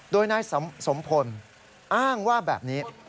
โดยนายสมพลอ้างว่าแบบนี้